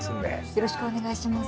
よろしくお願いします。